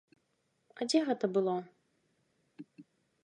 А дзе гэта было?